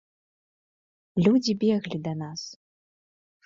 Людзі беглі да нас.